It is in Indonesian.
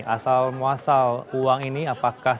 asal muasal uang ini apakah